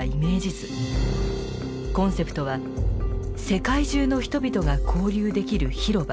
コンセプトは世界中の人々が交流できる広場。